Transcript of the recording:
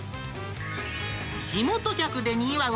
地元客でにぎわう